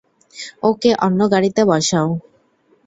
ওকে অন্য গাড়িতে বসাও।